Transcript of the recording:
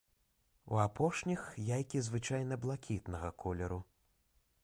У апошніх яйкі звычайна блакітнага колеру.